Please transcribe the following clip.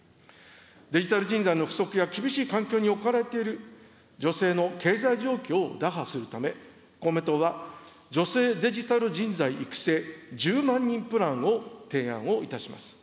デジタル人材の不足や厳しい環境に置かれてる女性の経済状況を打破するため、公明党は、女性デジタル人材育成１０万人プランを提案をいたします。